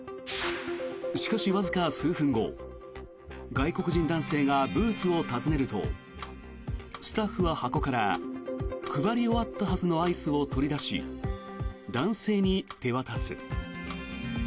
しかし、わずか数分後外国人男性がブースを訪ねるとスタッフは箱から配り終わったはずのアイスを取り出し男性に手渡す。